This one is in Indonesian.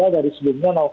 dari sebelumnya dua